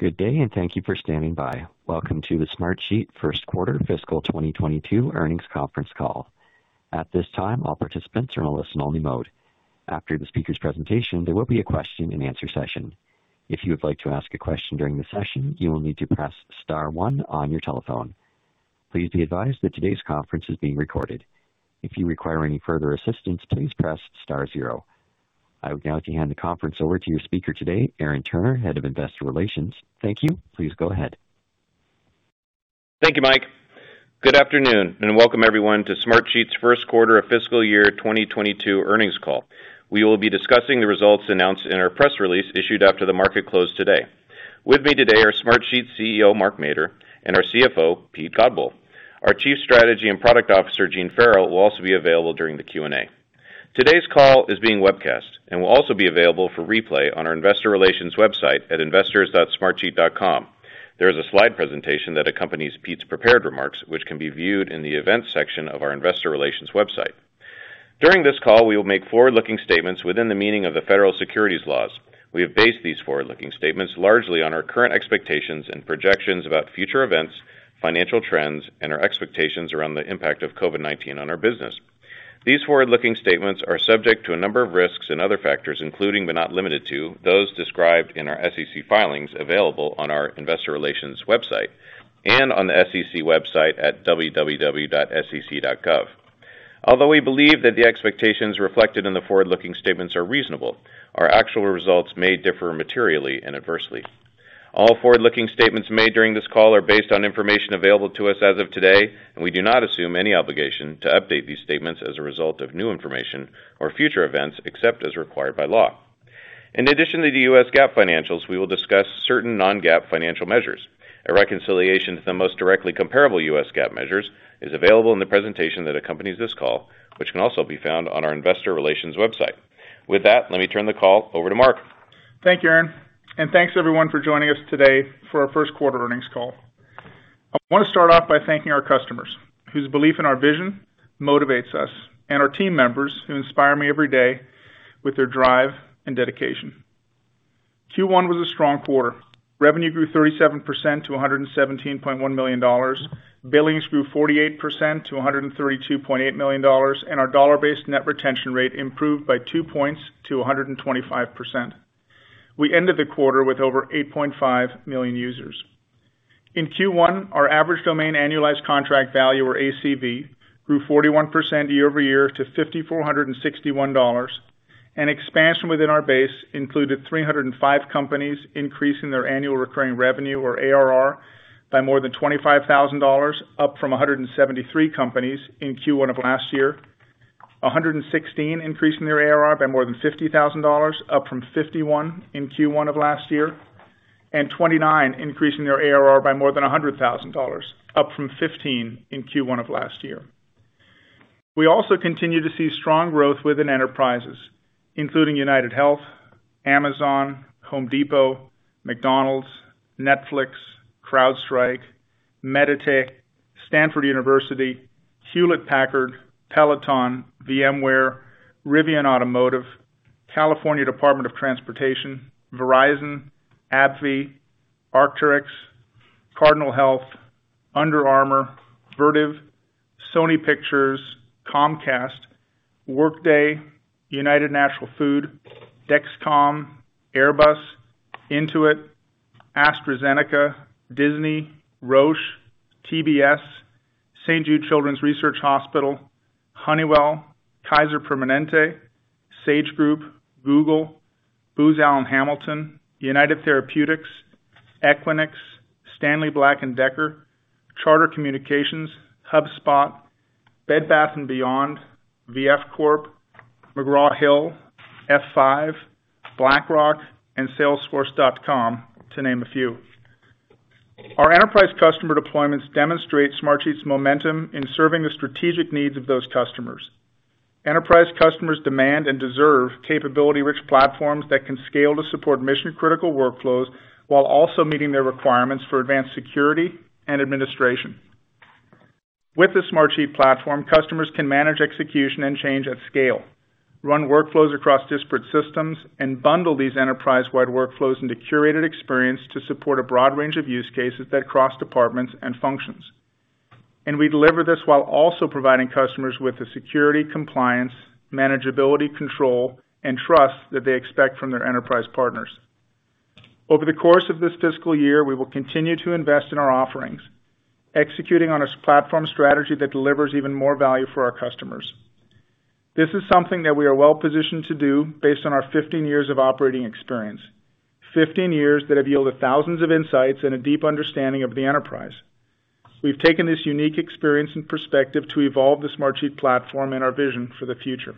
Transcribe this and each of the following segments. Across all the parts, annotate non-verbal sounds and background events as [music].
Good day. Thank you for standing by. Welcome to the Smartsheet first quarter fiscal 2022 earnings conference call. At this time, all participants are in listen-only mode. After the speaker's presentation, there will be a question-and-answer session. If you would like to ask a question during the session, you will need to press star one on your telephone. Please be advised that today's conference is being recorded. If you require any further assistance, please press star zero. I would now like to hand the conference over to your speaker today, Aaron Turner, Head of Investor Relations. Thank you. Please go ahead. Thank you, Mike. Good afternoon, and welcome everyone to Smartsheet's first quarter of fiscal year 2022 earnings call. We will be discussing the results announced in our press release issued after the market closed today. With me today are Smartsheet's CEO, Mark Mader, and our CFO, Pete Godbole. Our Chief Strategy and Product Officer, Gene Farrell, will also be available during the Q&A. Today's call is being webcast and will also be available for replay on our investor relations website at investors.smartsheet.com. There's a slide presentation that accompanies Pete's prepared remarks, which can be viewed in the events section of our investor relations website. During this call, we will make forward-looking statements within the meaning of the federal securities laws. We have based these forward-looking statements largely on our current expectations and projections about future events, financial trends, and our expectations around the impact of COVID-19 on our business. These forward-looking statements are subject to a number of risks and other factors, including but not limited to those described in our SEC filings available on our investor relations website and on the SEC website at www.sec.gov. Although we believe that the expectations reflected in the forward-looking statements are reasonable, our actual results may differ materially and adversely. All forward-looking statements made during this call are based on information available to us as of today. We do not assume any obligation to update these statements as a result of new information or future events, except as required by law. In addition to the U.S. GAAP financials, we will discuss certain non-GAAP financial measures. A reconciliation to the most directly comparable U.S. GAAP measures is available in the presentation that accompanies this call, which can also be found on our investor relations website. With that, let me turn the call over to Mark. Thank you, Aaron. Thanks everyone for joining us today for our first-quarter earnings call. I want to start off by thanking our customers, whose belief in our vision motivates us, and our team members, who inspire me every day with their drive and dedication. Q1 was a strong quarter. Revenue grew 37% to $117.1 million. Billings grew 48% to $132.8 million, and our dollar-based net retention rate improved by 2 points to 125%. We ended the quarter with over 8.5 million users. In Q1, our average domain annualized contract value, or ACV, grew 41% year-over-year to $5,461, and expansion within our base included 305 companies increasing their annual recurring revenue, or ARR, by more than $25,000, up from 173 companies in Q1 of last year, 116 increasing their ARR by more than $50,000, up from 51 in Q1 of last year, and 29 increasing their ARR by more than $100,000, up from 15 in Q1 of last year. We also continue to see strong growth within enterprises, including UnitedHealth, Amazon, Home Depot, McDonald's, Netflix, CrowdStrike, Meditech, Stanford University, Hewlett-Packard, Peloton, VMware, Rivian Automotive, California Department of Transportation, Verizon, AbbVie, Arc'teryx, Cardinal Health, Under Armour, Vertiv, Sony Pictures, Comcast, Workday, United Natural Foods, Dexcom, Airbus, Intuit, AstraZeneca, Disney, Roche, TBS, Saint Jude Children's Research Hospital, Honeywell, Kaiser Permanente, Sage Group, Google, Booz Allen Hamilton, United Therapeutics, Equinix, Stanley Black & Decker, Charter Communications, HubSpot, Bed Bath & Beyond, VF Corp, McGraw Hill, F5, BlackRock, and Salesforce.com, to name a few. Our enterprise customer deployments demonstrate Smartsheet's momentum in serving the strategic needs of those customers. Enterprise customers demand and deserve capability-rich platforms that can scale to support mission-critical workflows while also meeting their requirements for advanced security and administration. With the Smartsheet platform, customers can manage execution and change at scale, run workflows across disparate systems, and bundle these enterprise-wide workflows into curated experience to support a broad range of use cases that cross departments and functions. We deliver this while also providing customers with the security, compliance, manageability, control, and trust that they expect from their enterprise partners. Over the course of this fiscal year, we will continue to invest in our offerings, executing on a platform strategy that delivers even more value for our customers. This is something that we are well-positioned to do based on our 15 years of operating experience, 15 years that have yielded thousands of insights and a deep understanding of the enterprise. We've taken this unique experience and perspective to evolve the Smartsheet platform and our vision for the future.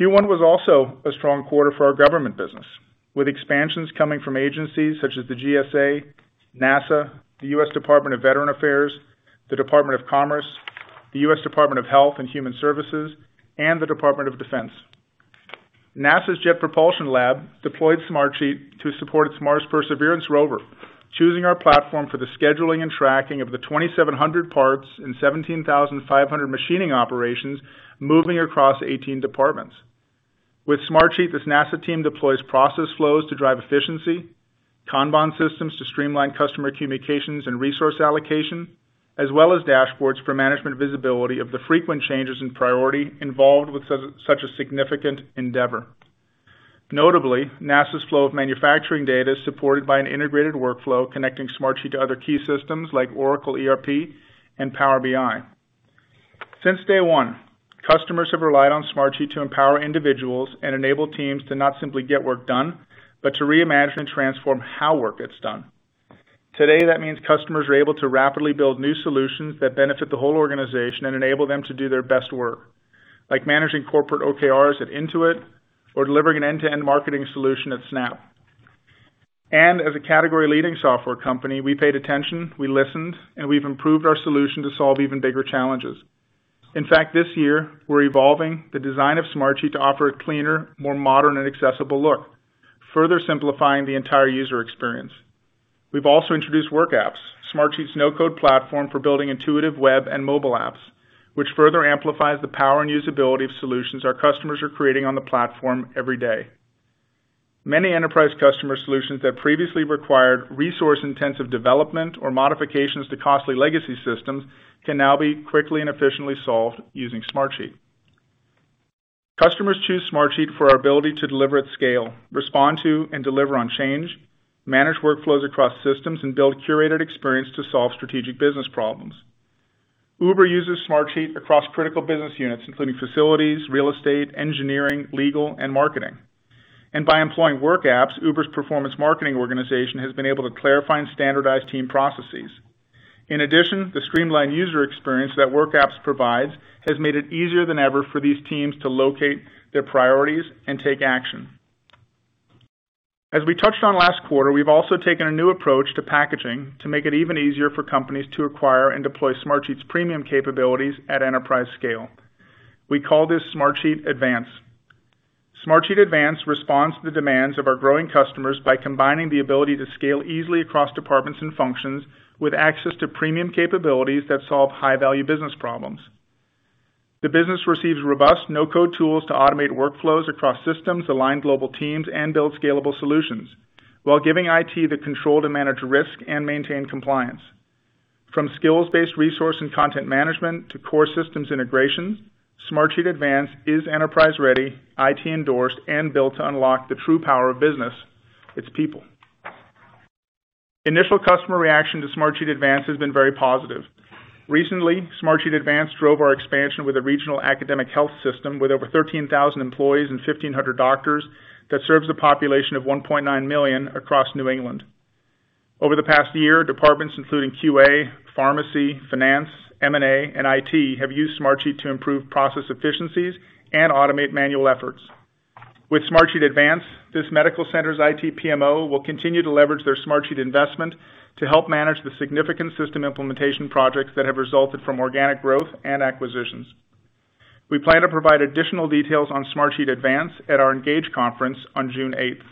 Q1 was also a strong quarter for our government business, with expansions coming from agencies such as the GSA, NASA, the U.S. Department of Veterans Affairs, the Department of Commerce, the U.S. Department of Health and Human Services, and the Department of Defense. NASA's Jet Propulsion Laboratory deployed Smartsheet to support its Mars Perseverance Rover, choosing our platform for the scheduling and tracking of the 2,700 parts and 17,500 machining operations moving across 18 departments. With Smartsheet, this NASA team deploys process flows to drive efficiency, Kanban systems to streamline customer communications and resource allocation, as well as dashboards for management visibility of the frequent changes in priority involved with such a significant endeavor. Notably, NASA's flow of manufacturing data is supported by an integrated workflow connecting Smartsheet to other key systems like Oracle ERP and Power BI. Since day one, customers have relied on Smartsheet to empower individuals and enable teams to not simply get work done, but to reimagine and transform how work gets done. Today, that means customers are able to rapidly build new solutions that benefit the whole organization and enable them to do their best work, like managing corporate OKRs at Intuit, or delivering an end-to-end marketing solution at Snap. As a category-leading software company, we paid attention, we listened, and we've improved our solution to solve even bigger challenges. In fact, this year, we're evolving the design of Smartsheet to offer a cleaner, more modern, and accessible look, further simplifying the entire user experience. We've also introduced WorkApps, Smartsheet's no-code platform for building intuitive web and mobile apps, which further amplifies the power and usability of solutions our customers are creating on the platform every day. Many enterprise customer solutions that previously required resource-intensive development or modifications to costly legacy systems can now be quickly and efficiently solved using Smartsheet. Customers choose Smartsheet for our ability to deliver at scale, respond to and deliver on change, manage workflows across systems, and build a curated experience to solve strategic business problems. Uber uses Smartsheet across critical business units, including facilities, real estate, engineering, legal, and marketing. By employing WorkApps, Uber's performance marketing organization has been able to clarify and standardize team processes. In addition, the streamlined user experience that WorkApps provides has made it easier than ever for these teams to locate their priorities and take action. As we touched on last quarter, we've also taken a new approach to packaging to make it even easier for companies to acquire and deploy Smartsheet's premium capabilities at enterprise scale. We call this Smartsheet Advance. Smartsheet Advance responds to the demands of our growing customers by combining the ability to scale easily across departments and functions with access to premium capabilities that solve high-value business problems. The business receives robust no-code tools to automate workflows across systems, align global teams, and build scalable solutions, while giving IT the control to manage risk and maintain compliance. From skills-based resource and content management to core systems integrations, Smartsheet Advance is enterprise-ready, IT-endorsed, and built to unlock the true power of business, its people. Initial customer reaction to Smartsheet Advance has been very positive. Recently, Smartsheet Advance drove our expansion with a regional academic health system with over 13,000 employees and 1,500 doctors that serves a population of 1.9 million across New England. Over the past year, departments including QA, pharmacy, finance, M&A, and IT have used Smartsheet to improve process efficiencies and automate manual efforts. With Smartsheet Advance, this medical center's IT PMO will continue to leverage their Smartsheet investment to help manage the significant system implementation projects that have resulted from organic growth and acquisitions. We plan to provide additional details on Smartsheet Advance at our ENGAGE conference on June 8th.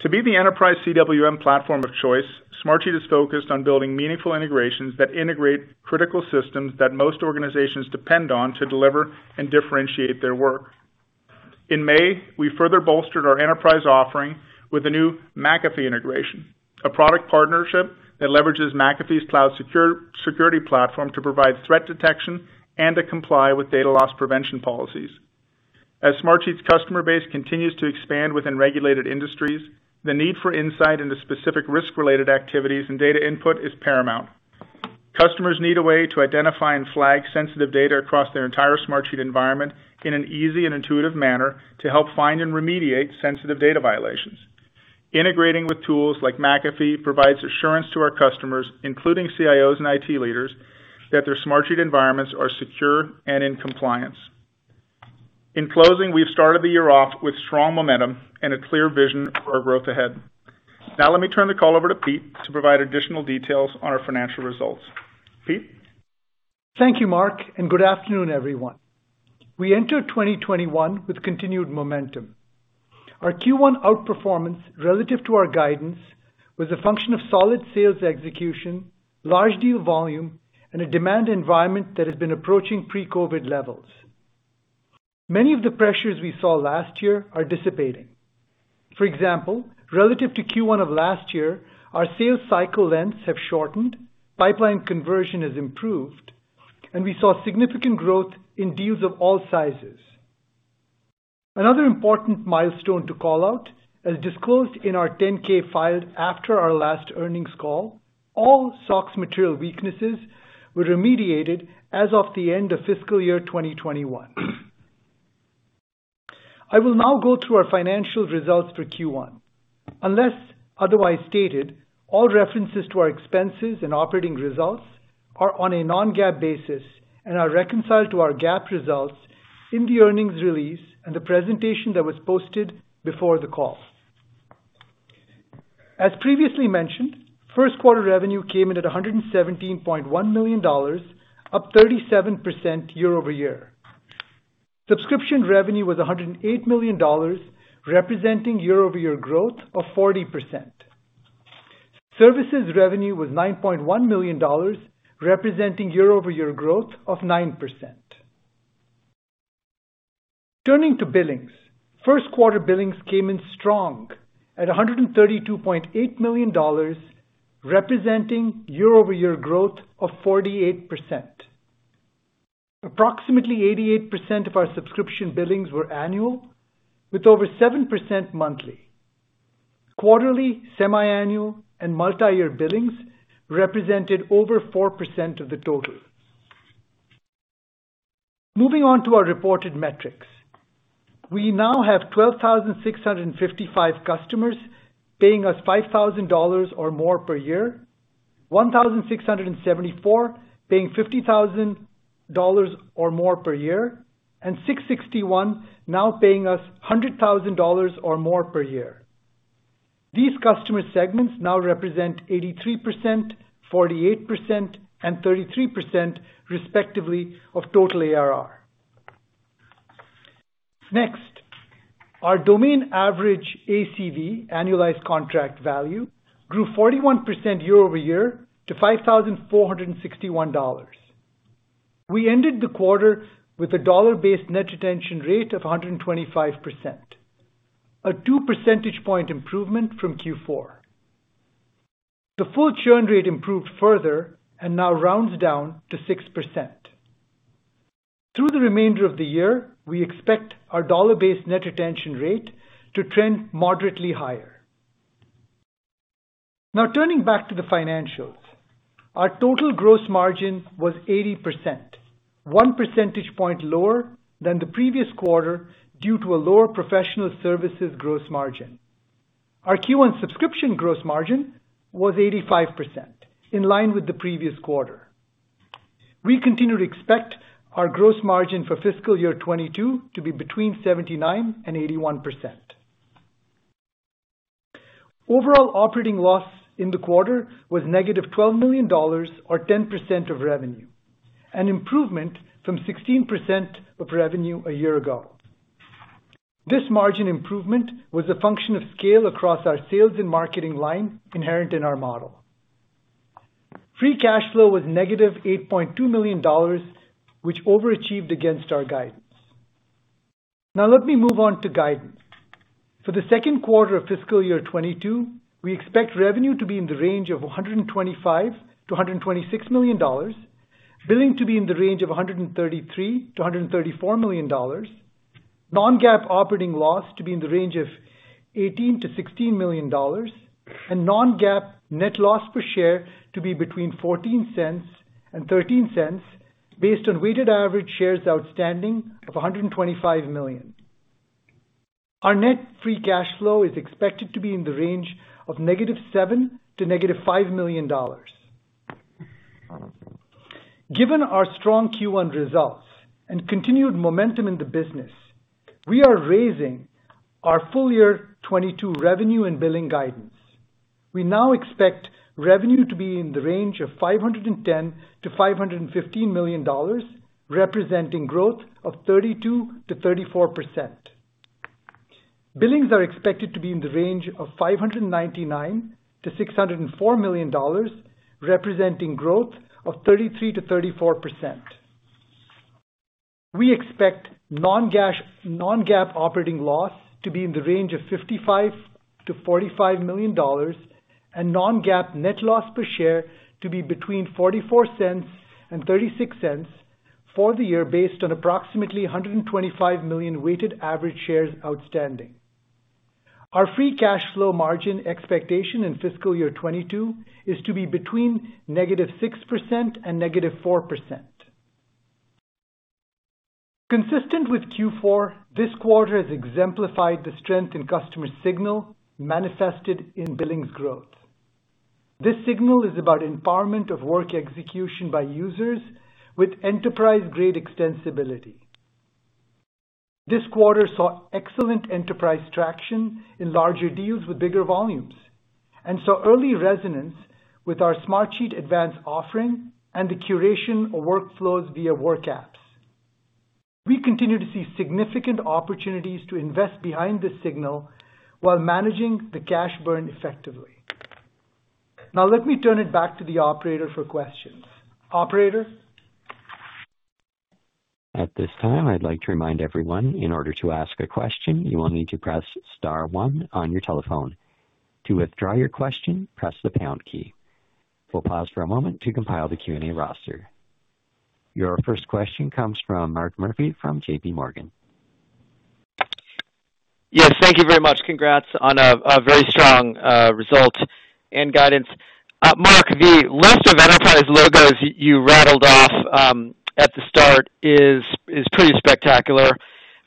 To be the enterprise CWM platform of choice, Smartsheet is focused on building meaningful integrations that integrate critical systems that most organizations depend on to deliver and differentiate their work. In May, we further bolstered our enterprise offering with a new McAfee integration, a product partnership that leverages McAfee's cloud security platform to provide threat detection and to comply with data loss prevention policies. As Smartsheet's customer base continues to expand within regulated industries, the need for insight into specific risk-related activities and data input is paramount. Customers need a way to identify and flag sensitive data across their entire Smartsheet environment in an easy and intuitive manner to help find and remediate sensitive data violations. Integrating with tools like McAfee provides assurance to our customers, including CIOs and IT leaders, that their Smartsheet environments are secure and in compliance. In closing, we've started the year off with strong momentum and a clear vision for our growth ahead. Now let me turn the call over to Pete to provide additional details on our financial results. Pete? Thank you, Mark, and good afternoon, everyone. We entered 2021 with continued momentum. Our Q1 outperformance relative to our guidance was a function of solid sales execution, large deal volume, and a demand environment that has been approaching pre-COVID levels. Many of the pressures we saw last year are dissipating. For example, relative to Q1 of last year, our sales cycle lengths have shortened, pipeline conversion has improved, and we saw significant growth in deals of all sizes. Another important milestone to call out, as disclosed in our 10-K filed after our last earnings call, all SOX material weaknesses were remediated as of the end of fiscal year 2021. I will now go through our financial results for Q1. Unless otherwise stated, all references to our expenses and operating results are on a non-GAAP basis and are reconciled to our GAAP results in the earnings release and the presentation that was posted before the call. As previously mentioned, first-quarter revenue came in at $117.1 million, up 37% year-over-year. Subscription revenue was $108 million, representing year-over-year growth of 40%. Services revenue was $9.1 million, representing year-over-year growth of 9%. Turning to billings. First quarter billings came in strong at $132.8 million, representing year-over-year growth of 48%. Approximately 88% of our subscription billings were annual, with over 7% monthly. Quarterly, semi-annual, and multi-year billings represented over 4% of the total. Moving on to our reported metrics. We now have 12,655 customers paying us $5,000 or more per year, 1,674 paying $50,000 or more per year, and 661 now paying us $100,000 or more per year. These customer segments now represent 83%, 48%, and 33% respectively of total ARR. Next, our domain average ACV, Annualized Contract Value, grew 41% year-over-year to $5,461. We ended the quarter with a dollar-based net retention rate of 125%, a two percentage point improvement from Q4. The full churn rate improved further and now rounds down to 6%. Through the remainder of the year, we expect our dollar-based net retention rate to trend moderately higher. Turning back to the financials. Our total gross margin was 80%, one percentage point lower than the previous quarter due to a lower professional services gross margin. Our Q1 subscription gross margin was 85%, in line with the previous quarter. We continue to expect our gross margin for fiscal year 2022 to be between 79% and 81%. Overall operating loss in the quarter was -$12 million or 10% of revenue, an improvement from 16% of revenue a year ago. This margin improvement was a function of scale across our sales and marketing line inherent in our model. Free cash flow was -$8.2 million, which overachieved against our guidance. Let me move on to guidance. For the second quarter of fiscal year 2022, we expect revenue to be in the range of $125 million-$126 million, billing to be in the range of $133 million-$134 million, non-GAAP operating loss to be in the range of $18 million-$16 million, and non-GAAP net loss per share to be between $0.14 and $0.13 based on weighted average shares outstanding of 125 million. Our net free cash flow is expected to be in the range of negative $7 million to negative $5 million. Given our strong Q1 results and continued momentum in the business, we are raising our full year 2022 revenue and billing guidance. We now expect revenue to be in the range of $510 million-$515 million, representing growth of 32%-34%. Billings are expected to be in the range of $599 million-$604 million, representing growth of 33%-34%. We expect non-GAAP operating loss to be in the range of $55 million-$45 million and non-GAAP net loss per share to be between $0.44 and $0.36 for the year based on approximately 125 million weighted average shares outstanding. Our free cash flow margin expectation in fiscal year 2022 is to be between -6% and -4%. Consistent with Q4, this quarter has exemplified the strength in customer signal manifested in billings growth. This signal is about empowerment of work execution by users with enterprise-grade extensibility. This quarter saw excellent enterprise traction in larger deals with bigger volumes and saw early resonance with our Smartsheet Advance offering and the curation of workflows via WorkApps. We continue to see significant opportunities to invest behind this signal while managing the cash burn effectively. Let me turn it back to the operator for questions. Operator? At this time, I'd like to remind everyone, in order to ask a question, you will need to press star one on your telephone. To withdraw your question, press the pound key. We'll pause for a moment to compile the Q&A roster. Your first question comes from Mark Murphy from JPMorgan. Yes, thank you very much. Congrats on a very strong result and guidance. Mark, the list of enterprise logos you rattled off at the start is pretty spectacular,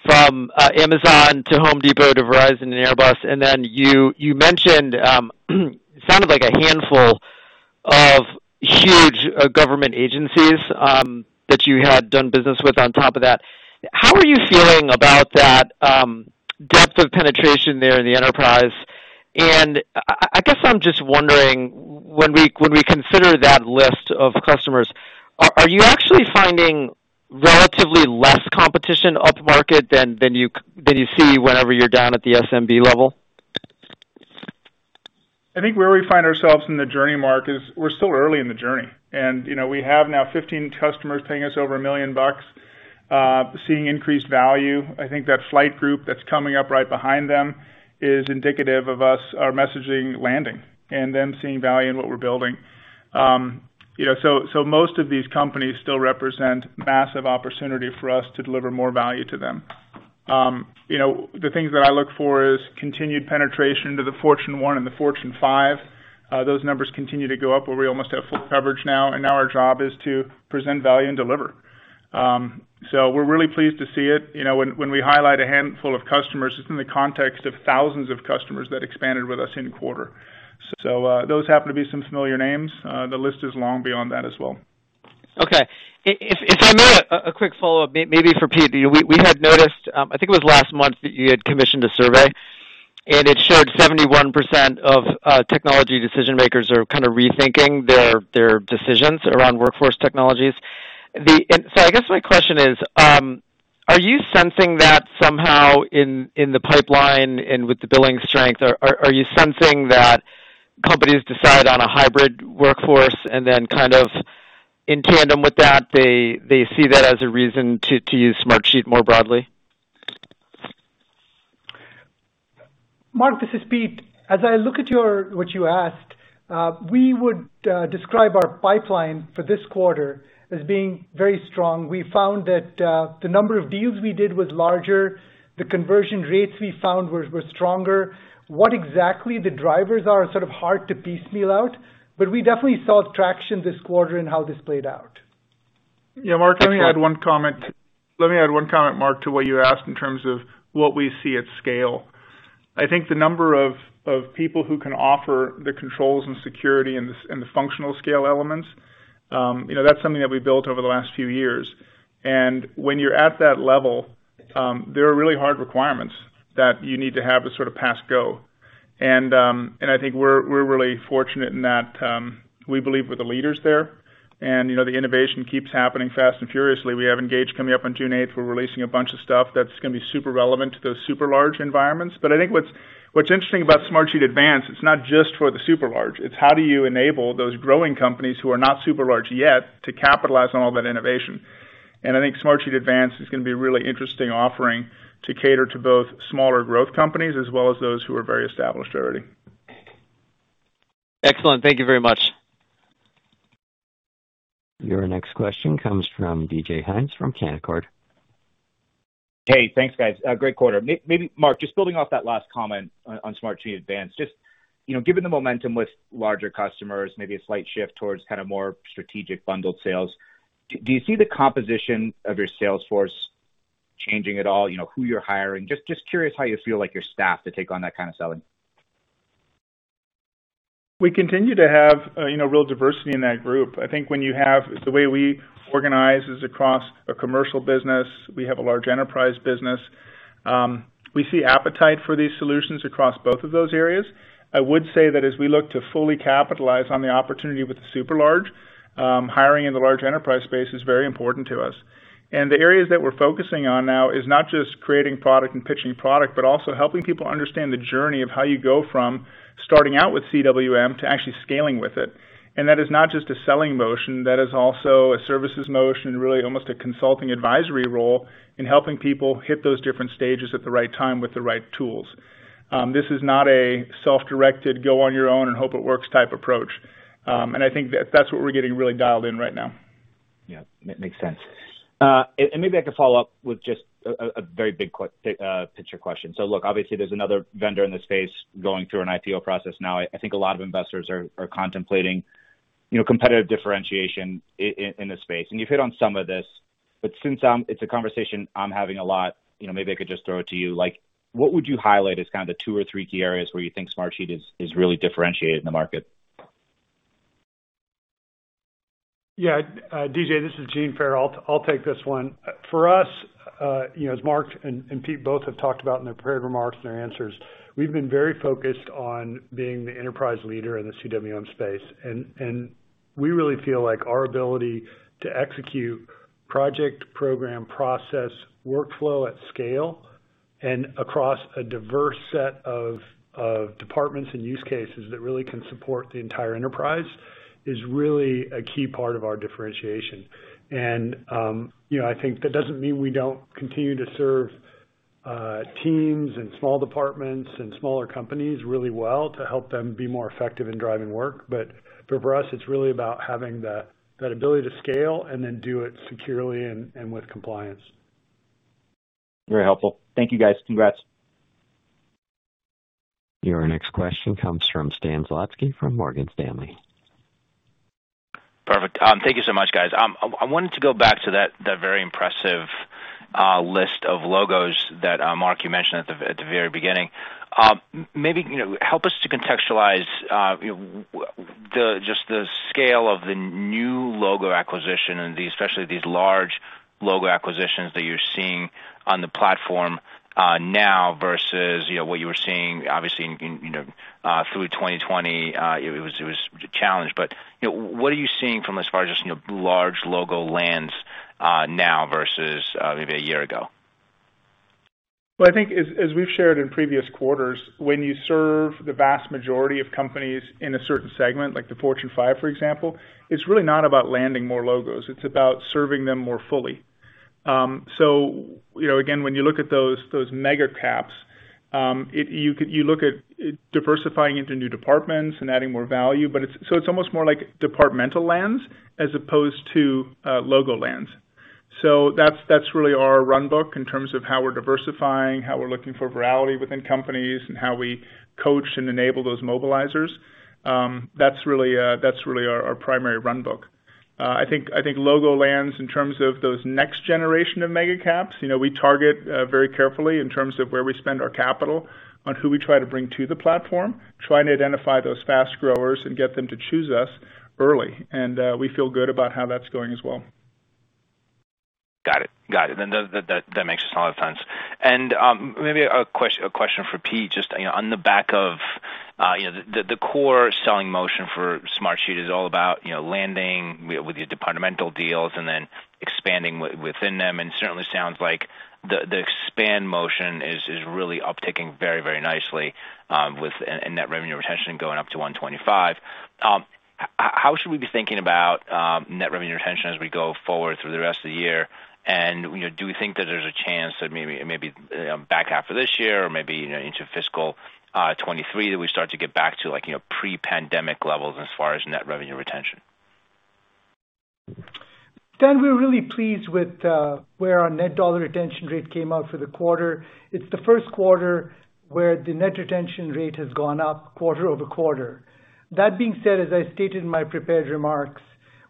from Amazon to Home Depot to Verizon to Airbus. You mentioned what sounded like a handful of huge government agencies that you had done business with on top of that. How are you feeling about that depth of penetration there in the enterprise? I guess I'm just wondering, when we consider that list of customers, are you actually finding relatively less competition upmarket than you see whenever you're down at the SMB level? I think where we find ourselves in the journey, Mark, is we're still early in the journey, and we have now 15 customers paying us over $1 million, seeing increased value. I think that flight group that's coming up right behind them is indicative of us, our messaging landing, and them seeing value in what we're building. Most of these companies still represent massive opportunity for us to deliver more value to them. The things that I look for is continued penetration into the Fortune 100 and the Fortune 500. Those numbers continue to go up, where we almost have full coverage now, and now our job is to present value and deliver. We're really pleased to see it. When we highlight a handful of customers, it's in the context of thousands of customers that expanded with us in a quarter. Those happen to be some familiar names. The list is long beyond that as well. Okay. If I may, a quick follow-up, maybe for Pete. We had noticed, I think it was last month, that you had commissioned a survey, and it showed 71% of technology decision-makers are rethinking their decisions around workforce technologies. I guess my question is, are you sensing that somehow in the pipeline and with the billing strength? Are you sensing that companies decide on a hybrid workforce and then in tandem with that, they see that as a reason to use Smartsheet more broadly? Mark, this is Pete. As I look at what you asked, we would describe our pipeline for this quarter as being very strong. We found that the number of deals we did was larger. The conversion rates we found were stronger. What exactly the drivers are is hard to piecemeal out, but we definitely saw traction this quarter in how this played out. Yeah, Mark, let me add one comment to what you asked in terms of what we see at scale. I think the number of people who can offer the controls and security and the functional scale elements, that's something that we built over the last few years. When you're at that level, there are really hard requirements that you need to have as sort of pass go. I think we're really fortunate in that we believe we're the leaders there, and the innovation keeps happening fast and furiously. We have ENGAGE coming up on June 8th. We're releasing a bunch of stuff that's going to be super relevant to those super large environments. I think what's interesting about Smartsheet Advance, it's not just for the super large. It's how do you enable those growing companies who are not super large yet to capitalize on all that innovation? I think Smartsheet Advance is going to be a really interesting offering to cater to both smaller growth companies as well as those who are very established already. Excellent. Thank you very much. Your next question comes from DJ Hynes from Canaccord. Hey, thanks, guys. A great quarter. Maybe, Mark, just building off that last comment on Smartsheet Advance, just given the momentum with larger customers, maybe a slight shift towards more strategic bundled sales, do you see the composition of your sales force changing at all? Who you're hiring? Just curious how you feel like your staff to take on that kind of selling. We continue to have real diversity in that group. I think when you have the way we organize is across a commercial business. We have a large enterprise business. We see appetite for these solutions across both of those areas. I would say that as we look to fully capitalize on the opportunity with super large, hiring in the large enterprise space is very important to us. The areas that we're focusing on now is not just creating product and pitching product, but also helping people understand the journey of how you go from starting out with CWM to actually scaling with it. That is not just a selling motion. That is also a services motion, really almost a consulting advisory role in helping people hit those different stages at the right time with the right tools. This is not a self-directed go on your own and hope it works type approach. I think that's what we're getting really dialed in right now. Yeah, that makes sense. Maybe I could follow up with just a very big picture question. Look, obviously there's another vendor in the space going through an IPO process now. I think a lot of investors are contemplating competitive differentiation in the space, and you hit on some of this. Since it's a conversation I'm having a lot, maybe I could just throw it to you. What would you highlight as the two or three key areas where you think Smartsheet is really differentiated in the market? Yeah. DJ, this is Gene Farrell. I'll take this one. For us, as Mark and Pete both have talked about in their prior remarks and their answers, we've been very focused on being the enterprise leader in the CWM space, and we really feel like our ability to execute project, program, process, workflow at scale and across a diverse set of departments and use cases that really can support the entire enterprise is really a key part of our differentiation. I think that doesn't mean we don't continue to serve teams and small departments and smaller companies really well to help them be more effective in driving work. For us, it's really about having that ability to scale and then do it securely and with compliance. Very helpful. Thank you, guys. Congrats. Your next question comes from Stan Zlotsky from Morgan Stanley. Perfect. Thank you so much, guys. I wanted to go back to that very impressive list of logos that Mark, you mentioned at the very beginning. Maybe help us to contextualize just the scale of the new logo acquisition and especially these large logo acquisitions that you're seeing on the platform now versus what you were seeing, obviously, through 2020, it was challenged. What are you seeing from as far as just large logo lands now versus maybe one year ago? Well, I think as we've shared in previous quarters, when you serve the vast majority of companies in a certain segment, like the Fortune 500, for example, it's really not about landing more logos, it's about serving them more fully. Again, when you look at those mega caps, you look at diversifying into new departments and adding more value, so it's almost more like departmental lands as opposed to logo lands. That's really our runbook in terms of how we're diversifying, how we're looking for virality within companies, and how we coach and enable those mobilizers. That's really our primary runbook. I think logo lands, in terms of those next generation of mega caps, we target very carefully in terms of where we spend our capital, on who we try to bring to the platform, try and identify those fast growers and get them to choose us early. We feel good about how that's going as well. Got it. That makes a ton of sense. Maybe a question for Pete, just on the back of the core selling motion for Smartsheet is all about landing with your departmental deals and then expanding within them, and certainly sounds like the expand motion is really upticking very, very nicely with net revenue retention going up to 125%. How should we be thinking about net revenue retention as we go forward through the rest of the year? Do we think that there's a chance that maybe back half of this year or maybe into FY 2023 that we start to get back to pre-pandemic levels as far as net revenue retention? Stan, we're really pleased with where our net dollar retention rate came out for the quarter. It's the first quarter where the net retention rate has gone up quarter-over-quarter. That being said, as I stated in my prepared remarks,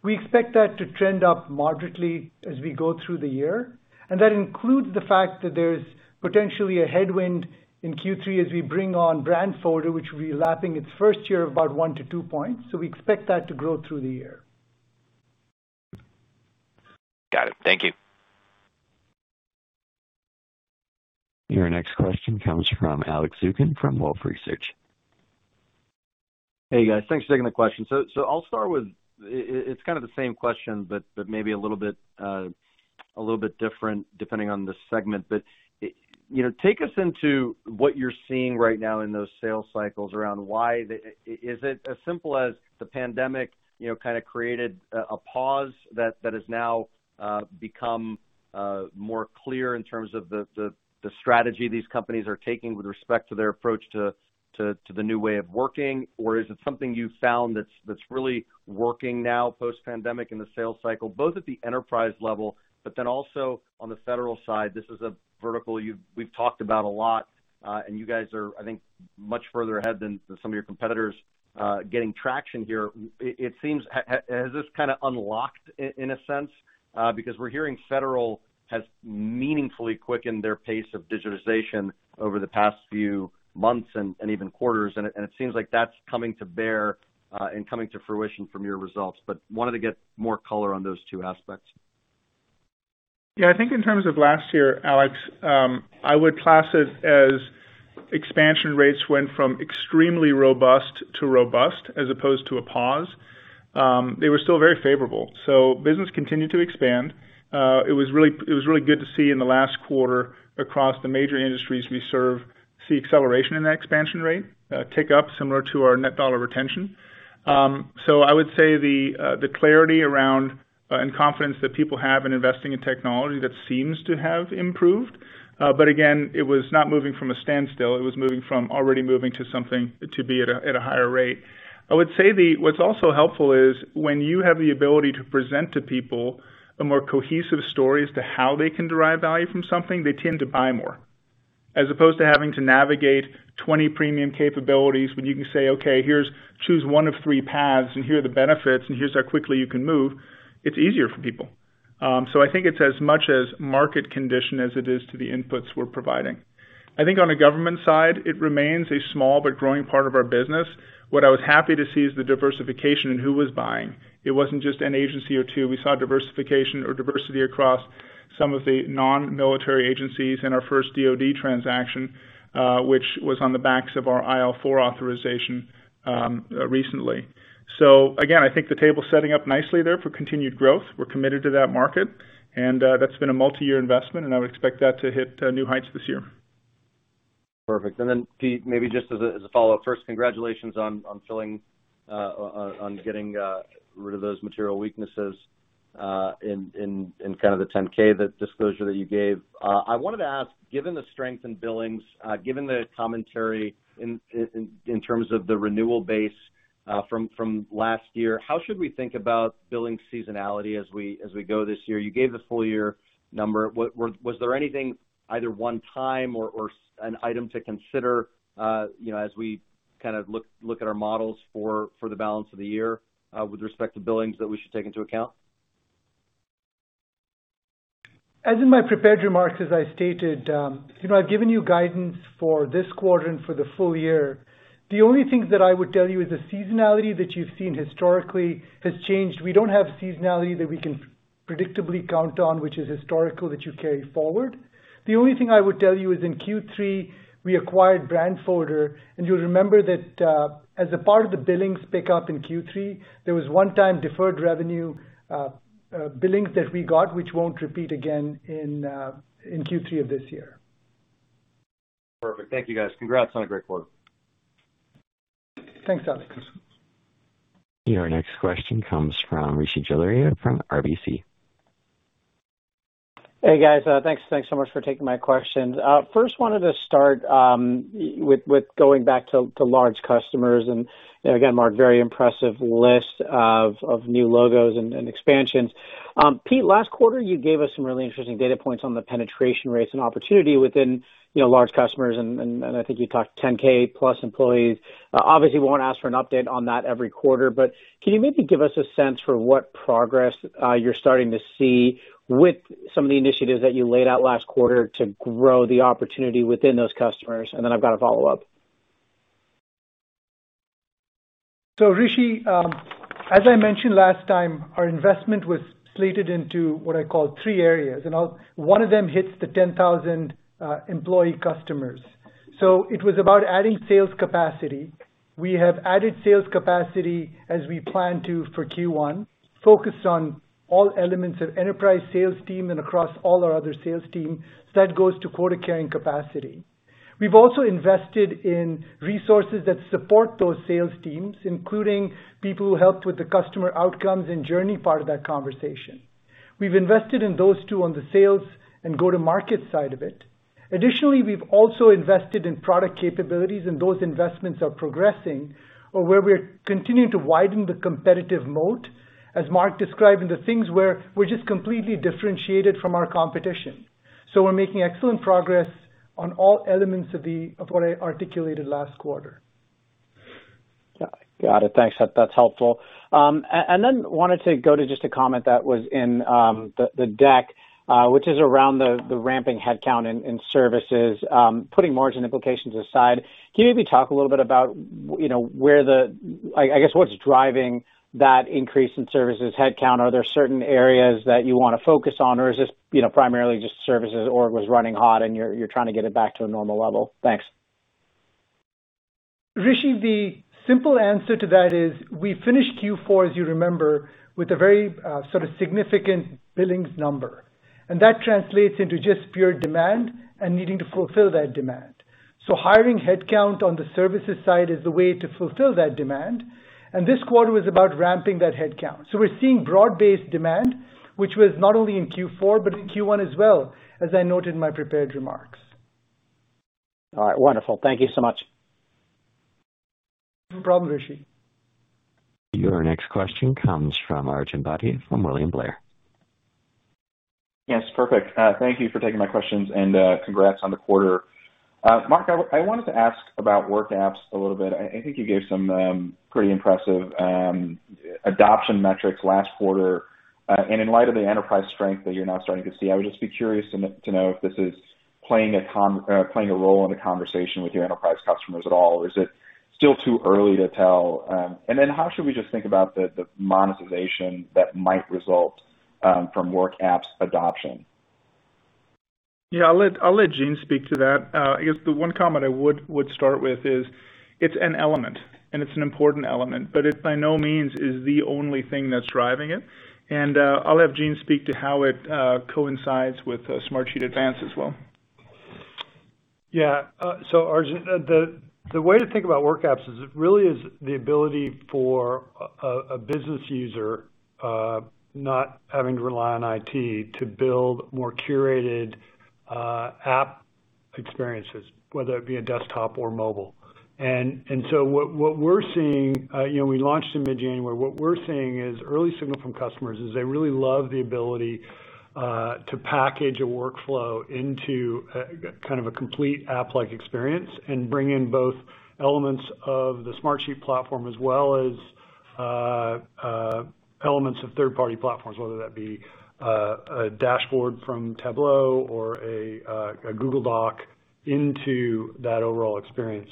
we expect that to trend up moderately as we go through the year, and that includes the fact that there's potentially a headwind in Q3 as we bring on Brandfolder, which will be lapping its first year of about one to two points. We expect that to grow through the year. Got it. Thank you. Your next question comes from Alex Zukin from Wolfe Research. Hey, guys. Thanks for taking the question. I'll start with, it's kind of the same question, but maybe a little bit different depending on the segment. Take us into what you're seeing right now in those sales cycles around why. Is it as simple as the pandemic kind of created a pause that has now become more clear in terms of the strategy these companies are taking with respect to their approach to the new way of working, or is it something you've found that's really working now post-pandemic in the sales cycle, both at the enterprise level, but then also on the federal side? This is a vertical we've talked about a lot, and you guys are, I think, much further ahead than some of your competitors getting traction here. Has this kind of unlocked, in a sense? Because we're hearing Federal has meaningfully quickened their pace of digitization over the past few months and even quarters, and it seems like that's coming to bear and coming to fruition from your results. Wanted to get more color on those two aspects. Yeah, I think in terms of last year, Alex, I would class it as expansion rates went from extremely robust to robust as opposed to a pause. They were still very favorable. Business continued to expand. It was really good to see in the last quarter across the major industries we serve, see acceleration in the expansion rate, tick up similar to our net dollar retention. I would say the clarity around, and confidence that people have in investing in technology, that seems to have improved. Again, it was not moving from a standstill. It was moving from already moving to something to be at a higher rate. I would say what's also helpful is when you have the ability to present to people a more cohesive story as to how they can derive value from something, they tend to buy more, as opposed to having to navigate 20 premium capabilities when you can say, "Okay, here's choose one of three paths, and here are the benefits, and here's how quickly you can move," it's easier for people. I think it's as much as market condition as it is to the inputs we're providing. I think on the government side, it remains a small but growing part of our business. What I was happy to see is the diversification in who was buying. It wasn't just an agency or two. We saw diversification or diversity across some of the non-military agencies in our first DoD transaction, which was on the backs of our IL4 authorization recently. Again, I think the table's setting up nicely there for continued growth. We're committed to that market, and that's been a multi-year investment, and I would expect that to hit new heights this year. Perfect. Pete, maybe just as a follow-up. First, congratulations on getting rid of those material weaknesses in kind of the 10-K, the disclosure that you gave. I wanted to ask, given the strength in billings, given the commentary in terms of the renewal base from last year, how should we think about billing seasonality as we go this year? You gave the full year number. Was there anything, either one time or an item to consider as we kind of look at our models for the balance of the year with respect to billings that we should take into account? As in my prepared remarks, as I stated, I've given you guidance for this quarter and for the full year. The only thing that I would tell you is the seasonality that you've seen historically has changed. We don't have seasonality that we can predictably count on, which is historical, that you carry forward. The only thing I would tell you is in Q3, we acquired Brandfolder, and you'll remember that as a part of the billings pick-up in Q3, there was one-time deferred revenue billings that we got, which won't repeat again in Q3 of this year. Perfect. Thank you, guys. Congrats on a great quarter. Thanks, Alex. Your next question comes from Rishi Jaluria from RBC. Hey, guys. Thanks so much for taking my questions. Wanted to start with going back to large customers and again, Mark, very impressive list of new logos and expansions. Pete, last quarter, you gave us some really interesting data points on the penetration rates and opportunity within large customers, and I think you talked 10K+ employees. Obviously, won't ask for an update on that every quarter, but can you maybe give us a sense for what progress you're starting to see with some of the initiatives that you laid out last quarter to grow the opportunity within those customers? I've got a follow-up. Rishi, as I mentioned last time, our investment was slated into what I call three areas, and one of them hits the 10,000 employee customers. It was about adding sales capacity. We have added sales capacity as we planned to for Q1, focused on all elements of enterprise sales team and across all our other sales teams. That goes to quota-carrying capacity. We've also invested in resources that support those sales teams, including people who help with the customer outcomes and journey part of that conversation. We've invested in those two on the sales and go-to-market side of it. Additionally, we've also invested in product capabilities, and those investments are progressing, where we're continuing to widen the competitive moat, as Mark described, in the things where we're just completely differentiated from our competition. We're making excellent progress on all elements of what I articulated last quarter. Got it. Thanks. That's helpful. Wanted to go to just a comment that was in the deck, which is around the ramping headcount in services. Putting margin implications aside, can you maybe talk a little bit about I guess what's driving that increase in services headcount? Are there certain areas that you want to focus on, or is this primarily just services, or it was running hot, and you're trying to get it back to a normal level? Thanks. Rishi, the simple answer to that is we finished Q4, as you remember, with a very sort of significant billings number, and that translates into just pure demand and needing to fulfill that demand. Hiring headcount on the services side is a way to fulfill that demand, and this quarter was about ramping that headcount. We're seeing broad-based demand, which was not only in Q4 but in Q1 as well, as I noted in my prepared remarks. All right, wonderful. Thank you so much. No problem, Rishi. Your next question comes from Arjun Bhatia from William Blair. Yes, perfect. Thank you for taking my questions, and congrats on the quarter. Mark, I wanted to ask about WorkApps a little bit. I think you gave some pretty impressive adoption metrics last quarter. In light of the enterprise strength that you're now starting to see, I would just be curious to know if this is playing a role in the conversation with your enterprise customers at all, or is it still too early to tell? How should we just think about the monetization that might result from WorkApps adoption? Yeah, I'll let Gene speak to that. I guess the one comment I would start with is it's an element, and it's an important element, but it by no means is the only thing that's driving it. I'll have Gene speak to how it coincides with Smartsheet Advance as well. Yeah. Arjun, the way to think about WorkApps is it really is the ability for a business user not having to rely on IT to build more curated app experiences, whether that be on desktop or mobile. What we're seeing, we launched in mid-January, what we're seeing is early signals from customers is they really love the ability to package a workflow into a complete app-like experience and bring in both elements of the Smartsheet platform as well as elements of third-party platforms, whether that be a dashboard from Tableau or a Google Doc into that overall experience.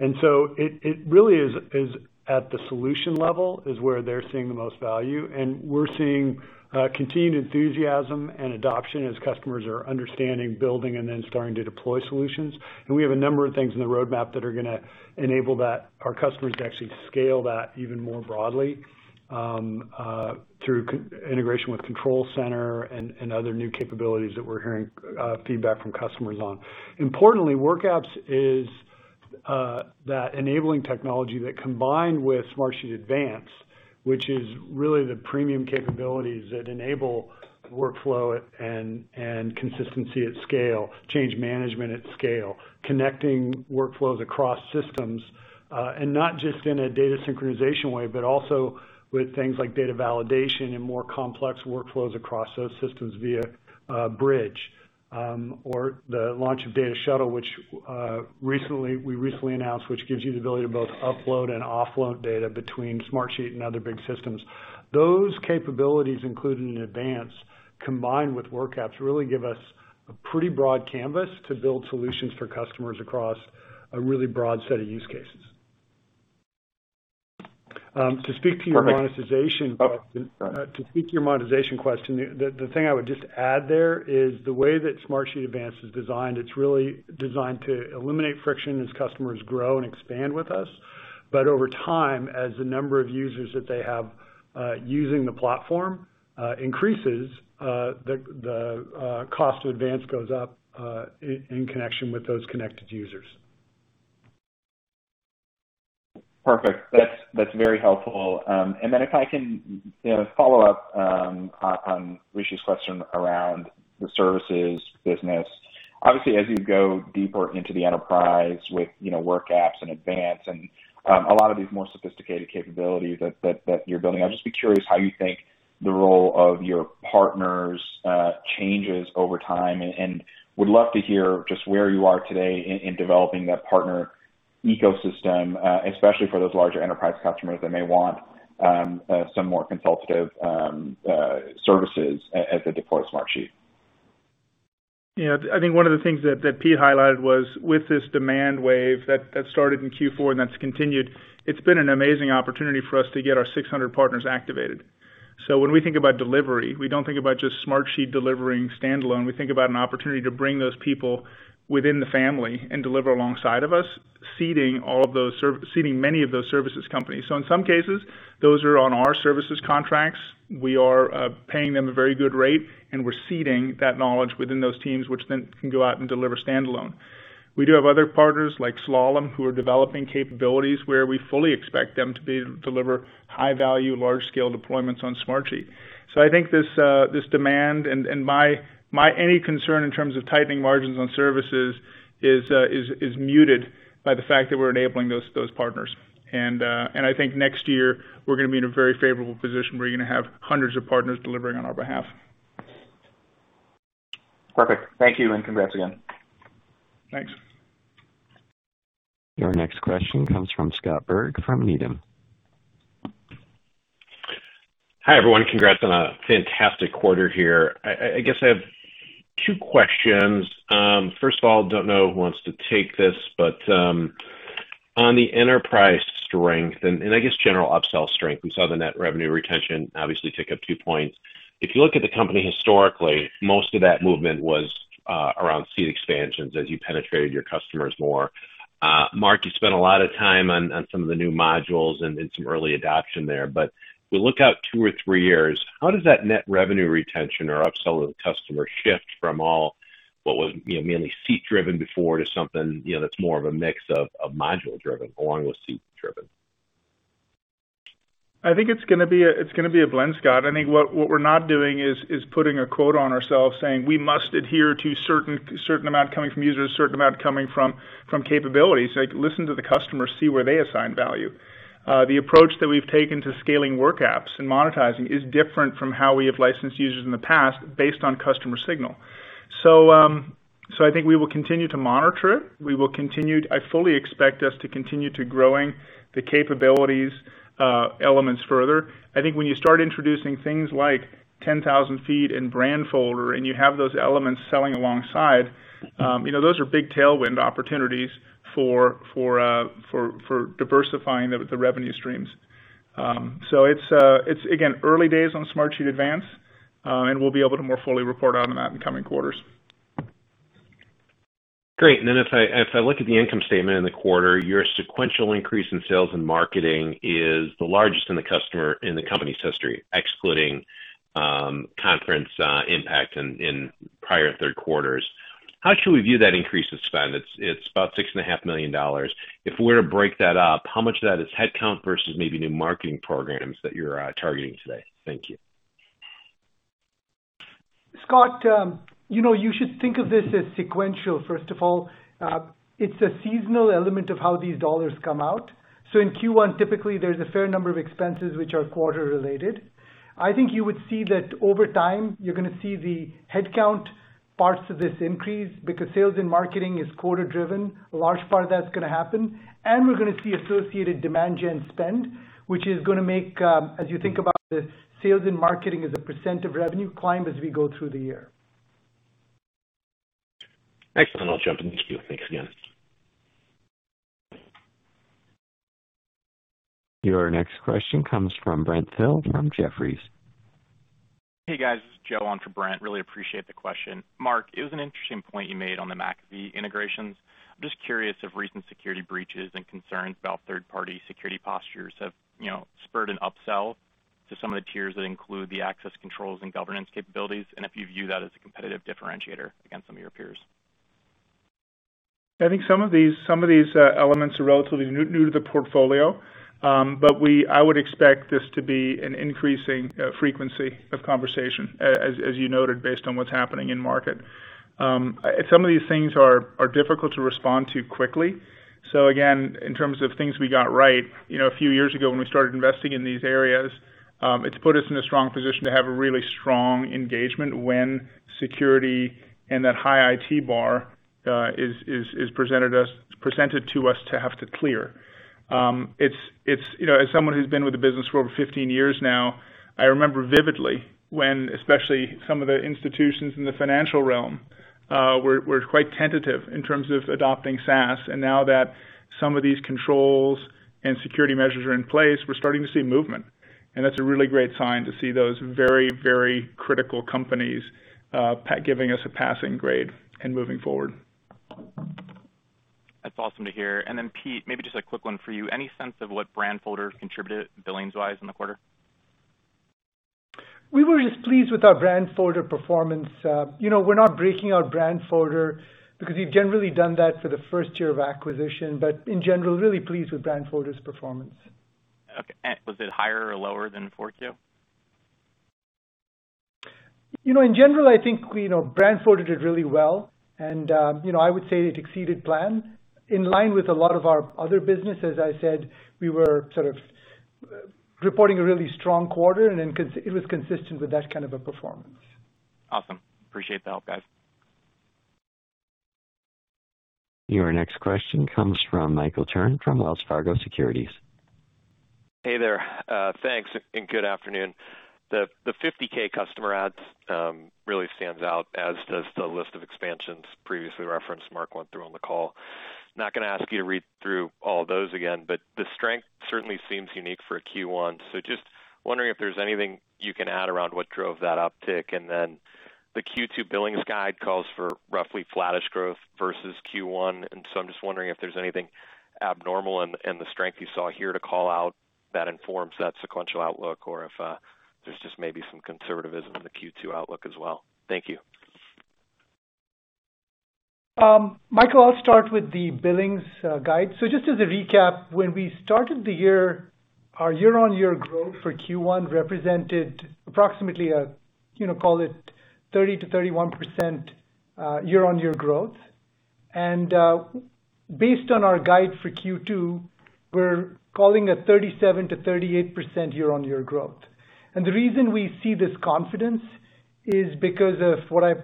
It really is at the solution level is where they're seeing the most value, and we're seeing continued enthusiasm and adoption as customers are understanding, building, and then starting to deploy solutions. We have a number of things in the roadmap that are going to enable our customers to actually scale that even more broadly through integration with Control Center and other new capabilities that we're hearing feedback from customers on. Importantly, WorkApps is that enabling technology that combined with Smartsheet Advance, which is really the premium capabilities that enable the workflow and consistency at scale, change management at scale, connecting workflows across systems, and not just in a data synchronization way, but also with things like data validation and more complex workflows across those systems via a Bridge. The launch of Data Shuttle, which we recently announced, which gives you the ability to both upload and offload data between Smartsheet and other big systems. Those capabilities included in Advance, combined with WorkApps really give us a pretty broad canvas to build solutions for customers across a really broad set of use cases. To speak to your [crosstalk] monetization question, the thing I would just add there is the way that Smartsheet Advance is designed, it's really designed to eliminate friction as customers grow and expand with us. Over time, as the number of users that they have using the platform increases, the cost of Advance goes up in connection with those connected users. Perfect. That's very helpful. If I can follow up on Rishi's question around the services business. Obviously, as you go deeper into the enterprise with WorkApps and Advance and a lot of these more sophisticated capabilities that you're building, I'd just be curious how you think the role of your partners changes over time, and would love to hear just where you are today in developing that partner ecosystem, especially for those larger enterprise customers that may want some more consultative services as they deploy Smartsheet. I think one of the things that Pete highlighted was with this demand wave that started in Q4 and that's continued, it's been an amazing opportunity for us to get our 600 partners activated. When we think about delivery, we don't think about just Smartsheet delivering standalone. We think about an opportunity to bring those people within the family and deliver alongside of us, seeding many of those services companies. In some cases, those are on our services contracts. We are paying them a very good rate, and we're seeding that knowledge within those teams, which then can go out and deliver standalone. We do have other partners like Slalom, who are developing capabilities where we fully expect them to be able to deliver high-value, large-scale deployments on Smartsheet. I think this demand, and my any concern in terms of tightening margins on services is muted by the fact that we're enabling those partners. I think next year, we're going to be in a very favorable position. We're going to have hundreds of partners delivering on our behalf. Perfect. Thank you, and congrats again. Thanks. Your next question comes from Scott Berg from Needham. Hi, everyone. Congrats on a fantastic quarter here. I guess I have two questions. First of all, don't know who wants to take this, but on the enterprise strength and I guess general upsell strength, we saw the net revenue retention obviously tick up two points. If you look at the company historically, most of that movement was around seat expansions as you penetrated your customers more. Mark, you spent a lot of time on some of the new modules and did some early adoption there. If we look out two or three years, how does that net revenue retention or upsell of the customer shift from all what was mainly seat-driven before to something that's more of a mix of module-driven along with seat-driven? I think it's going to be a blend, Scott. I think what we're not doing is putting a quota on ourselves saying we must adhere to a certain amount coming from users, a certain amount coming from capabilities. Listen to the customer, see where they assign value. The approach that we've taken to scaling WorkApps and monetizing is different from how we have licensed users in the past based on customer signal. I think we will continue to monitor it. I fully expect us to continue to growing the capabilities elements further. I think when you start introducing things like 10,000 ft and Brandfolder, and you have those elements selling alongside, those are big tailwind opportunities for diversifying the revenue streams. It's, again, early days on Smartsheet Advance, and we'll be able to more fully report on that in coming quarters. If I look at the income statement in the quarter, your sequential increase in sales and marketing is the largest in the company's history, excluding conference impact in prior third quarters. How should we view that increase in spend? It's about $6.5 million. If we were to break that up, how much of that is headcount versus maybe new marketing programs that you're targeting today? Thank you. Scott, you should think of this as sequential, first of all. It's a seasonal element of how these dollars come out. In Q1, typically, there's a fair number of expenses which are quarter-related. I think you would see that over time, you're going to see the headcount parts of this increase because sales and marketing is quota-driven. A large part of that's going to happen. We're going to see associated demand gen spend, which is going to make, as you think about this, sales and marketing as a percent of revenue climb as we go through the year. Excellent. I'll jump in the queue. Thanks again. Your next question comes from Brent Thill from Jefferies. Hey, guys. It's Joe on for Brent. Really appreciate the question. Mark, it was an interesting point you made on the McAfee integrations. I'm just curious if recent security breaches and concerns about third-party security postures have spurred an upsell to some of the tiers that include the access controls and governance capabilities, and if you view that as a competitive differentiator against some of your peers? I think some of these elements are relatively new to the portfolio. I would expect this to be an increasing frequency of conversation, as you noted, based on what's happening in market. Some of these things are difficult to respond to quickly. Again, in terms of things we got right, a few years ago when we started investing in these areas, it's put us in a strong position to have a really strong engagement when security and that high IT bar is presented to us to have to clear. As someone who's been with the business for over 15 years now, I remember vividly when, especially some of the institutions in the financial realm, were quite tentative in terms of adopting SaaS. Now that some of these controls and security measures are in place, we're starting to see movement. That's a really great sign to see those very critical companies giving us a passing grade and moving forward. That's awesome to hear. Pete, maybe just a quick one for you. Any sense of what Brandfolder contributed billings-wise in the quarter? We were just pleased with our Brandfolder performance. We're not breaking out Brandfolder because we've generally done that for the first year of acquisition, but in general, really pleased with Brandfolder's performance. Okay. Was it higher or lower than in 4Q? In general, I think Brandfolder did really well, and I would say it exceeded plan. In line with a lot of our other businesses, I said we were sort of reporting a really strong quarter, and it was consistent with that kind of a performance. Awesome. Appreciate the help, guys. Your next question comes from Michael Turrin from Wells Fargo Securities. Hey there. Thanks, and good afternoon. The 50k customer adds really stands out, as does the list of expansions previously referenced Mark went through on the call. Not going to ask you to read through all those again, but the strength certainly seems unique for a Q1. Just wondering if there's anything you can add around what drove that uptick. The Q2 billings guide calls for roughly flattish growth versus Q1, and so I'm just wondering if there's anything abnormal in the strength you saw here to call out that informs that sequential outlook, or if there's just maybe some conservatism in the Q2 outlook as well. Thank you. Michael, I'll start with the billings guide. Just as a recap, when we started the year, our year-on-year growth for Q1 represented approximately, call it 30%-31% year-on-year growth. Based on our guide for Q2, we're calling it 37%-38% year-on-year growth. The reason we see this confidence is because of what I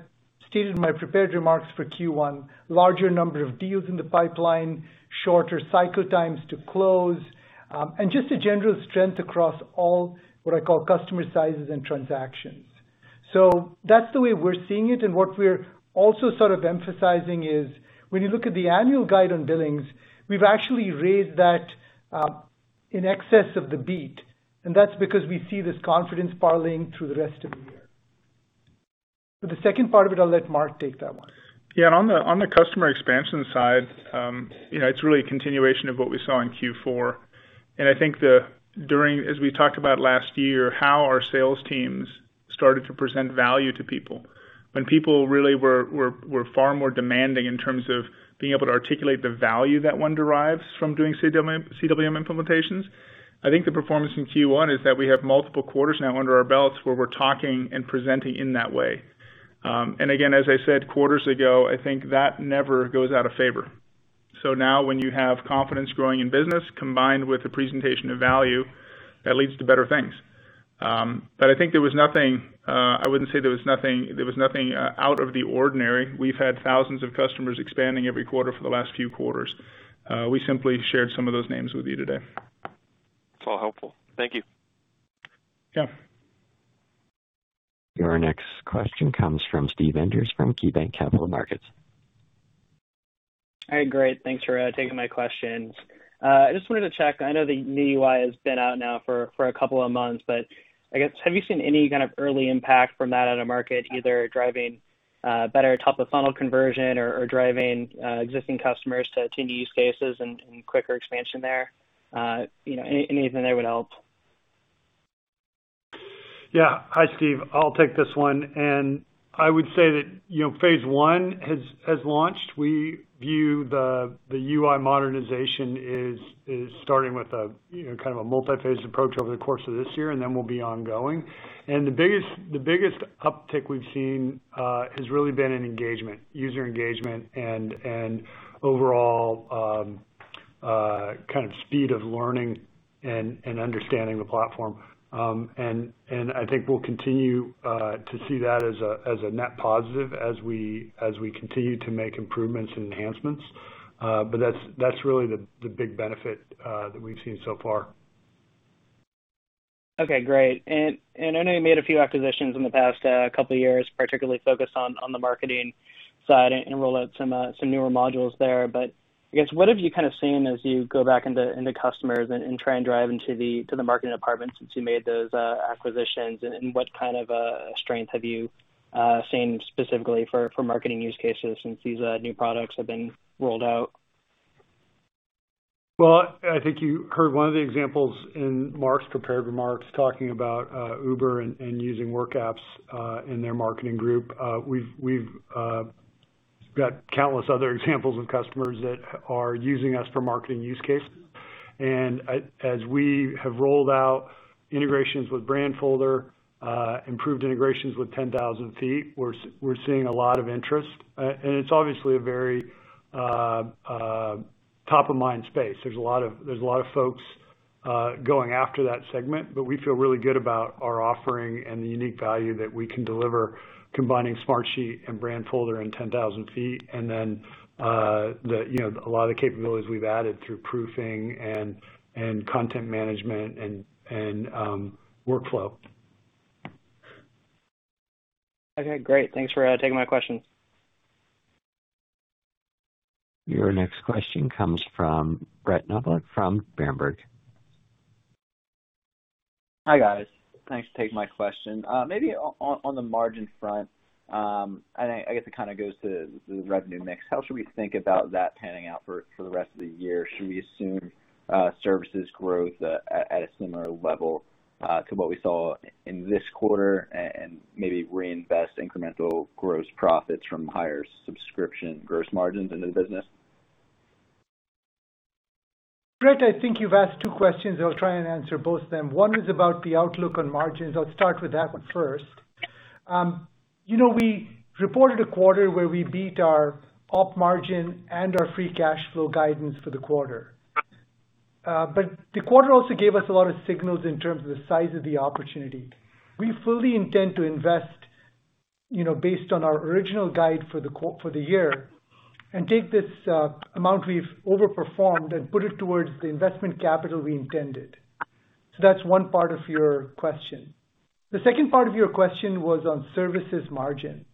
stated in my prepared remarks for Q1, larger number of deals in the pipeline, shorter cycle times to close, and just a general strength across all what I call customer sizes and transactions. That's the way we're seeing it, and what we're also sort of emphasizing is when you look at the annual guide on billings, we've actually raised that in excess of the beat, and that's because we see this confidence parlaying through the rest of the year. For the second part of it, I'll let Mark take that one. Yeah, on the customer expansion side, it's really a continuation of what we saw in Q4. I think as we talked about last year, how our sales teams started to present value to people when people really were far more demanding in terms of being able to articulate the value that one derives from doing CWM implementations. I think the performance in Q1 is that we have multiple quarters now under our belts where we're talking and presenting in that way. Again, as I said quarters ago, I think that never goes out of favor. Now when you have confidence growing in business combined with the presentation of value, that leads to better things. I think there was nothing out of the ordinary. We've had thousands of customers expanding every quarter for the last few quarters. We simply shared some of those names with you today. It's all helpful. Thank you. Yeah. Your next question comes from Steven Enders from KeyBanc Capital Markets. All right, great. Thanks for taking my questions. I just wanted to check. I know the new UI has been out now for a couple of months, but I guess, have you seen any kind of early impact from that on the market, either driving better top-of-funnel conversion or driving existing customers to new use cases and quicker expansion there? Anything there would help. Yeah. Hi, Steve. I'll take this one. I would say that phase one has launched. We view the UI modernization is starting with a kind of a multi-phase approach over the course of this year, then will be ongoing. The biggest uptick we've seen has really been in engagement, user engagement, and overall kind of speed of learning and understanding the platform. I think we'll continue to see that as a net positive as we continue to make improvements and enhancements. That's really the big benefit that we've seen so far. Okay, great. I know you made a few acquisitions in the past couple of years, particularly focused on the marketing side and rolled out some newer modules there. I guess, what have you kind of seen as you go back into customers and try and drive them to the marketing department since you made those acquisitions? What kind of strength have you seen specifically for marketing use cases since these new products have been rolled out? I think you heard one of the examples in Mark's prepared remarks talking about Uber and using WorkApps in their marketing group. We've got countless other examples of customers that are using us for marketing use cases. As we have rolled out integrations with Brandfolder, improved integrations with 10,000 ft, we're seeing a lot of interest. It's obviously a very top-of-mind space. There's a lot of folks going after that segment, but we feel really good about our offering and the unique value that we can deliver combining Smartsheet and Brandfolder and 10,000 ft, and then a lot of capabilities we've added through proofing and content management and workflow. Okay, great. Thanks for taking my question. Your next question comes from Brett Knoblauch from Berenberg. Hi, guys. Thanks for taking my question. Maybe on the margin front, and I guess it goes to the revenue mix, how should we think about that panning out for the rest of the year? Should we assume services growth at a similar level to what we saw in this quarter and maybe reinvest incremental gross profits from higher subscription gross margins in the business? Brett, I think you've asked two questions. I'll try and answer both of them. One is about the outlook on margins. I'll start with that one first. We reported a quarter where we beat our op margin and our free cash flow guidance for the quarter. The quarter also gave us a lot of signals in terms of the size of the opportunity. We fully intend to invest based on our original guide for the year and take this amount we've overperformed and put it towards the investment capital we intended. That's one part of your question. The second part of your question was on services margin.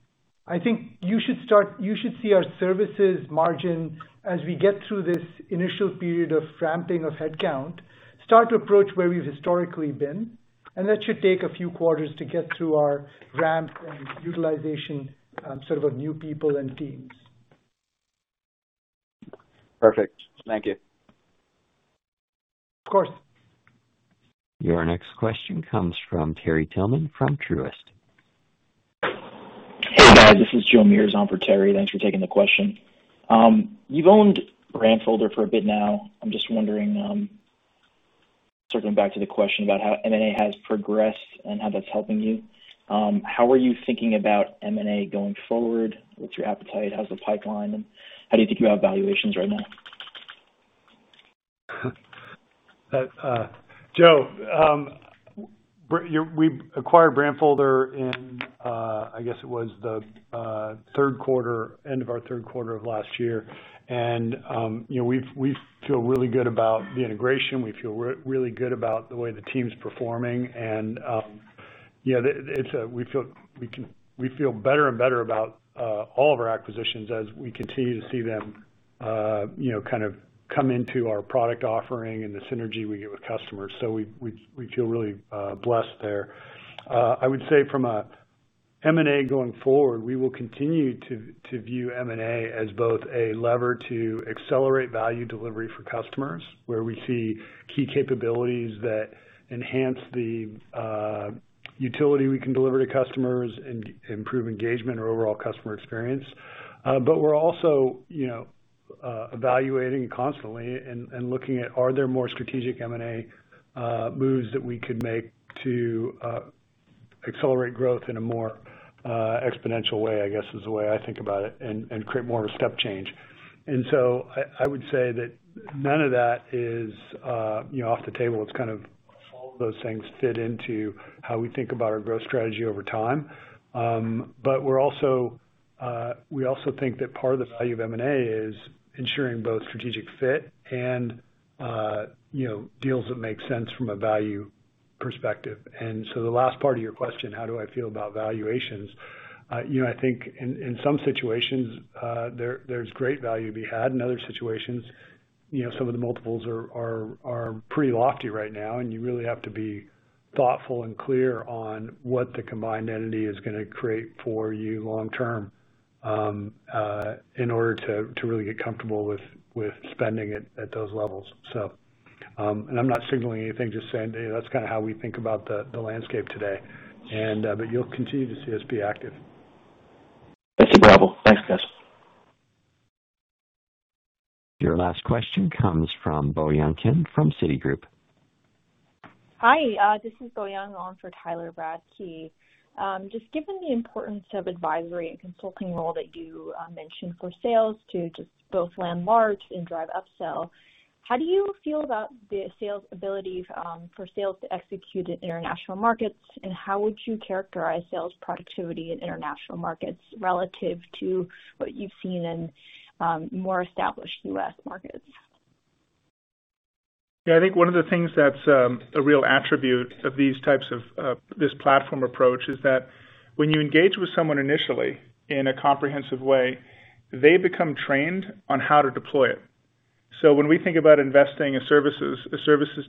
I think you should see our services margin as we get through this initial period of ramping of headcount, start to approach where we've historically been, and that should take a few quarters to get through our ramp and utilization sort of new people and teams. Perfect. Thank you. Of course. Your next question comes from Terry Tillman from Truist. Hey, guys. This is Joe Meares for Terry. Thanks for taking the question. You've owned Brandfolder for a bit now. I'm just wondering, circling back to the question about how M&A has progressed and how that's helping you, how are you thinking about M&A going forward? What's your appetite? How's the pipeline? How do you feel about valuations right now? Joe, we acquired Brandfolder in, I guess it was the end of our third quarter of last year. We feel really good about the integration. We feel really good about the way the team's performing. We feel better and better about all of our acquisitions as we continue to see them come into our product offering and the synergy we get with customers. We feel really blessed there. I would say from a M&A going forward, we will continue to view M&A as both a lever to accelerate value delivery for customers, where we see key capabilities that enhance the utility we can deliver to customers and improve engagement or overall customer experience. We're also evaluating constantly and looking at are there more strategic M&A moves that we could make to accelerate growth in a more exponential way, I guess is the way I think about it, and create more of a step change. I would say that none of that is off the table. It's all of those things fit into how we think about our growth strategy over time. We also think that part of the value of M&A is ensuring both strategic fit and deals that make sense from a value perspective. The last part of your question, how do I feel about valuations? I think in some situations, there's great value to be had. In other situations, some of the multiples are pretty lofty right now, and you really have to be thoughtful and clear on what the combined entity is going to create for you long-term in order to really get comfortable with spending at those levels. I'm not signaling anything, just saying that's how we think about the landscape today. That you'll continue to see us be active. That's super helpful. Thanks, guys. Your last question comes from Boyoung Kim from Citigroup. Hi, this is Boyoung Kim for Tyler Radke. Just given the importance of advisory and consulting role that you mentioned for sales to both land large and drive upsell, how do you feel about the sales abilities for sales to execute in international markets, and how would you characterize sales productivity in international markets relative to what you've seen in more established U.S. markets? Yeah, I think one of the things that's a real attribute of this platform approach is that when you engage with someone initially in a comprehensive way, they become trained on how to deploy it. When we think about investing a services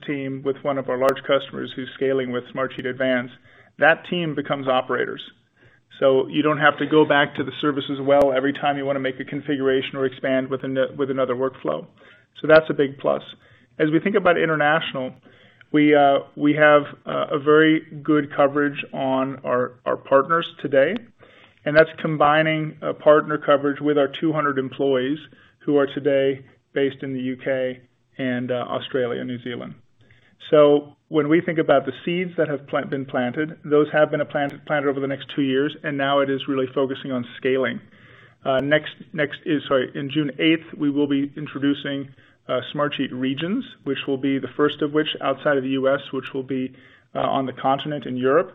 team with one of our large customers who's scaling with Smartsheet Advance, that team becomes operators. You don't have to go back to the services well every time you want to make a configuration or expand with another workflow. That's a big plus. As we think about international, we have a very good coverage on our partners today, and that's combining partner coverage with our 200 employees who are today based in the U.K. and Australia, and New Zealand. When we think about the seeds that have been planted, those have been planted over the next two years, and now it is really focusing on scaling. On June 8th, we will be introducing Smartsheet Regions, which will be the first of which outside of the U.S., which will be on the continent in Europe,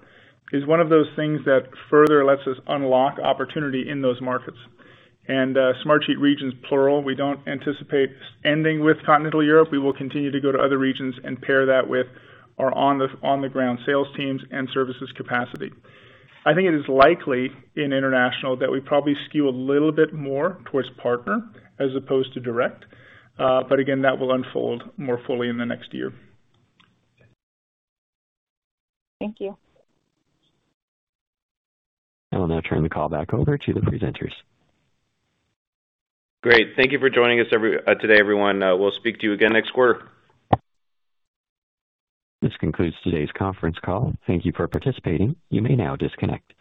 is one of those things that further lets us unlock opportunity in those markets. . Smartsheet Regions plural, we don't anticipate ending with continental Europe. We will continue to go to other regions and pair that with our on-the-ground sales teams and services capacity. I think it is likely in international that we probably skew a little bit more towards partner as opposed to direct. Again, that will unfold more fully in the next year. Thank you. I will now turn the call back over to the presenters. Great. Thank you for joining us today, everyone. We'll speak to you again next quarter. This concludes today's conference call. Thank you for participating. You may now disconnect.